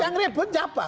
yang ribut apa